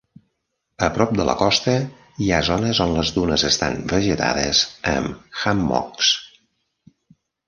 A prop de la costa hi ha zones on les dunes estan vegetades amb hammocks.